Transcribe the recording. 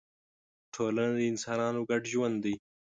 ټولنه د انسانانو ګډ ژوند دی.